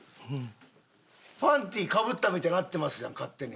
パンティかぶったみたいになってますやん勝手に。